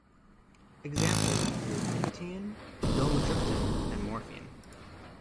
Examples include nicotine, Zolmitriptan, and morphine.